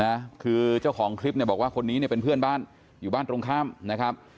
นะคือเจ้าของคลิปเนี่ยบอกว่าคนนี้เนี่ยเป็นเพื่อนบ้านอยู่บ้านตรงข้ามนะครับ